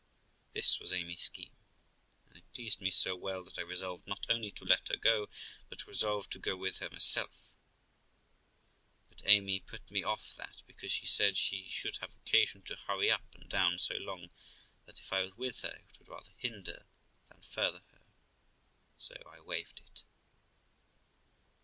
This was Amy's scheme, and it pleased me so well, that I resolved not only to let her go, but was resolved to go with her myself; but Amy put me off of that, because, she said, she should have occasion to hurry up and down so long that if I was with her it would rather hinder than further her, so I waived it.